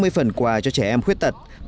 năm mươi phần quà cho trẻ em khuyết tật